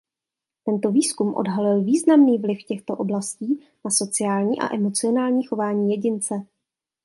Tento výzkum odhalil významný vliv těchto oblastí na sociální a emocionální chování jedince.